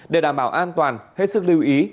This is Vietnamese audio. để đảm bảo an toàn hết sức lưu ý